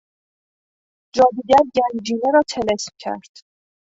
جادوگر گنجینه را طلسم کرد.